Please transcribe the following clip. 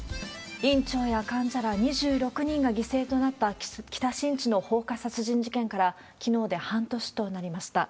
院長や患者ら２６人が犠牲となった北新地の放火殺人事件から、きのうで半年となりました。